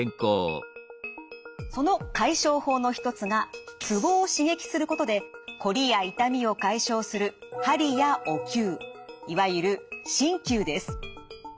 その解消法の一つがツボを刺激することでこりや痛みを解消するいわゆる鍼灸です。